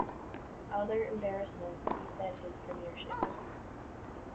Other embarrassments beset his premiership.